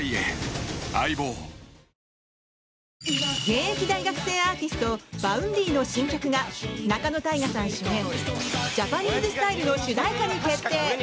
現役大学生アーティストＶａｕｎｄｙの新曲が仲野太賀さん主演「ジャパニーズスタイル」の主題歌に決定！